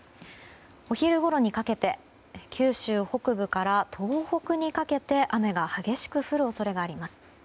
お昼ごろにかけて九州北部から東北にかけて雨が激しく降る恐れがあります。